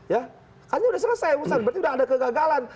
ya artinya sudah selesai urusan berarti sudah ada kegagalan